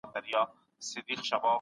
د صادراتو پروسه اسانه شوې ده.